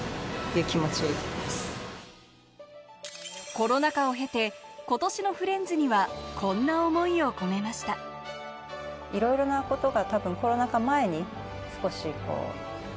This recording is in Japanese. コロナ禍を経て今年の『フレンズ』にはこんな思いを込めましたっていうところで。